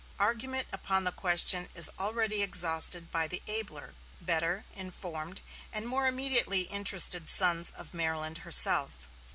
Argument upon the question is already exhausted by the abler, better informed, and more immediately interested sons of Maryland herself.